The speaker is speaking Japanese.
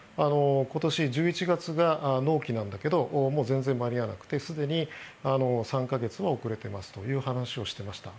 今年１１月が納期なんだけど全然間に合わなくてすでに３か月遅れてますという話をしていました。